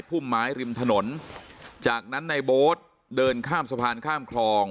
พุ่มไม้ริมถนนจากนั้นในโบ๊ทเดินข้ามสะพานข้ามคลอง